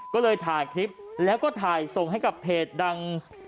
ก็เลยถ่ายคลิปแล้วก็ถ่ายส่งให้กับเพจดัง